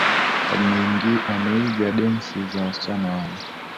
Wameiga densi za wasichana wale.